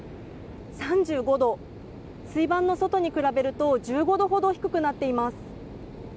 ３５度、水盤の外に比べると１５度ほど低くなっています。